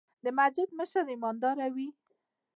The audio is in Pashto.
د مسجد مشر ايمانداره وي.